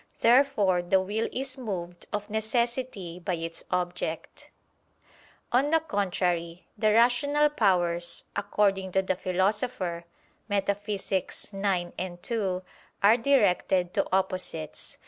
Therefore the will is moved of necessity by its object. On the contrary, The rational powers, according to the Philosopher (Metaph. ix, 2) are directed to opposites.